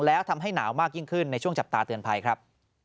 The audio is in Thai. แล้วทำให้หนาวมากยิ่งขึ้นในช่วงจับตาเตือนภัยครับ